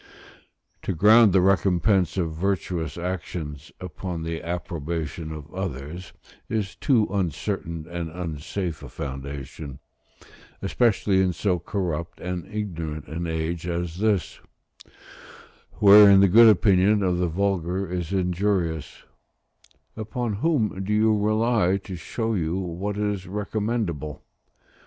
To ground the recompense of virtuous actions upon the approbation of others is too uncertain and unsafe a foundation, especially in so corrupt and ignorant an age as this, wherein the good opinion of the vulgar is injurious: upon whom do you rely to show you what is recommendable?